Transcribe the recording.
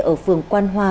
ở phường quan hoa